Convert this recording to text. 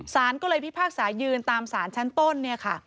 สารก็เลยพิพากษายืนตามสารชั้นต้นเนี่ยค่ะ